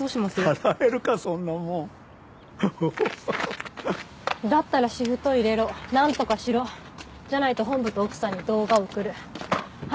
払えるかそんなもんははははっだったらシフト入れろなんとかしろじゃないと本部と奥さんに動画送る話